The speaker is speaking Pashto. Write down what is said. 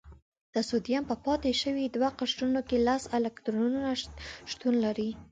د سوډیم په پاتې شوي دوه قشرونو کې لس الکترونونه شتون لري.